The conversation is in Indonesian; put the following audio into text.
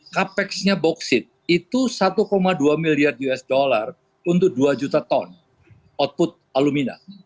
capex nya boksit itu satu dua miliar usd untuk dua juta ton output alumina